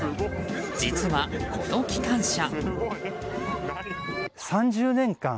実は、この機関車。